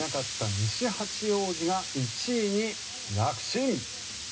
西八王子が１位に躍進。